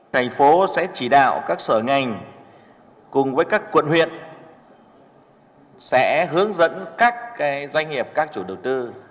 thành phố sẽ chỉ đạo các sở ngành cùng với các quận huyện sẽ hướng dẫn các doanh nghiệp các chủ đầu tư